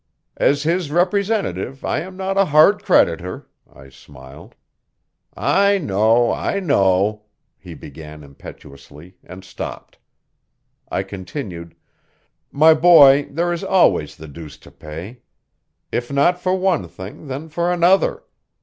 "As his representative I am not a hard creditor," I smiled. "I know, I know " he began impetuously and stopped. I continued: "My boy, there is always the deuce to pay. If not for one thing, then for another.